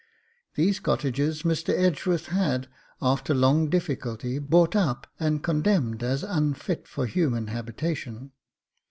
These cottages Mr. Edgeworth had, after long difficulty, bought up and condemned as unfit for human habitation.